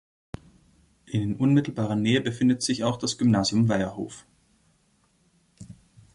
In unmittelbarer Nähe befindet sich auch das Gymnasium Weierhof.